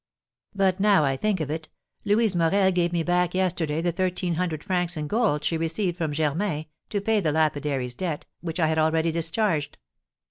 "But, now I think of it, Louise Morel gave me back yesterday the thirteen hundred francs in gold she received from Germain, to pay the lapidary's debt, which I had already discharged.